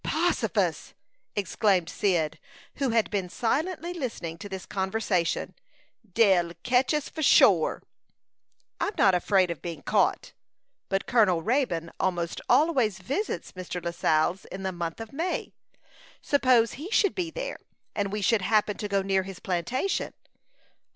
"Possifus!" exclaimed Cyd, who had been silently listening to this conversation. "Dey'll ketch us, for shore." "I'm not afraid of being caught; but Colonel Raybone almost always visits Mr. Lascelles in the month of May. Suppose he should be there, and we should happen to go near his plantation?"